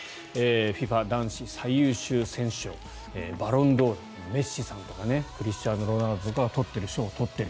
ＦＩＦＡ男子最優秀選手賞バロンドールメッシさんとかクリスティアーノ・ロナウドとかが取っている賞を取っている。